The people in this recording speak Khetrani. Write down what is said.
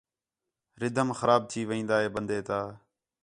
رِدھم خراب تھی وین٘دا ہِے بندے تا